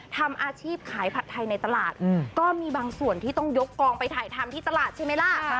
ทำอาชีพขายผัดไทยในตลาดก็มีบางส่วนที่ต้องยกกองไปถ่ายทำที่ตลาดใช่ไหมล่ะ